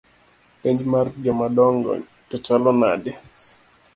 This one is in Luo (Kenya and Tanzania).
Penj mar jomadongo to chalo nade?